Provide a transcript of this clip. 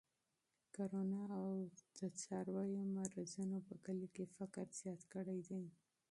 کرونا او د څارویو مرضونو په کلي کې فقر زیات کړی دی.